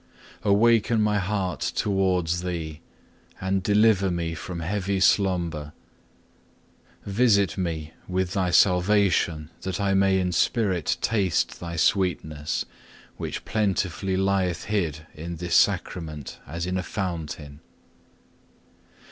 Awaken my heart towards Thee, and deliver me from heavy slumber. Visit me with Thy salvation that I may in spirit taste Thy sweetness, which plentifully lieth hid in this Sacrament as in a fountain.